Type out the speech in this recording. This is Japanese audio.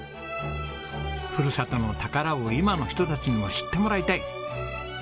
ふるさとの宝を今の人たちにも知ってもらいたい！